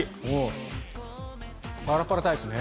パラパラタイプね。